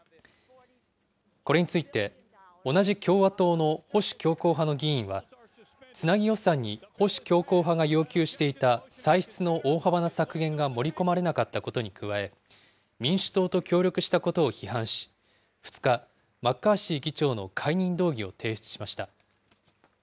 これについて、同じ共和党の保守強硬派の議員は、つなぎ予算に保守強硬派が要求していた歳出の大幅な削減が盛り込まれなかったことに加え、民主党と協力したことを批判し、２日、マッカーシー議長の解任動議を提出しました。